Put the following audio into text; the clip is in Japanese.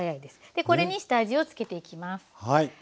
でこれに下味を付けていきます。